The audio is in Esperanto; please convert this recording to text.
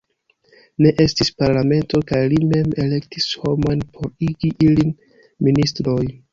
Ne estis parlamento kaj li mem elektis homojn por igi ilin ministroj.